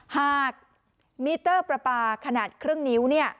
หากมิเตอร์ประปาขนาดครึ่งนิ้ว